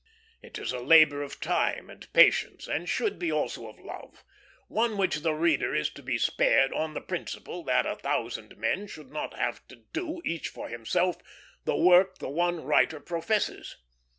It is a labor of time and patience, and should be also of love; one which the reader is to be spared, on the principle that a thousand men should not have to do, each for himself, the work the one writer professes.